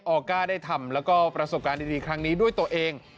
ออก้าได้ทำแล้วก็ประสบการณ์ดีครั้งนี้ด้วยตัวเอง